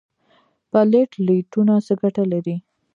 پلیټلیټونه څه ګټه لري؟